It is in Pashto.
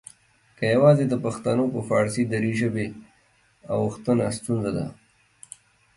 که یواځې د پښتنو په فارسي دري ژبې اوښتنه ستونزه ده؟